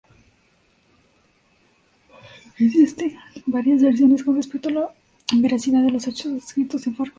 Existen varias versiones con respecto a la veracidad de los hechos descritos en "Fargo".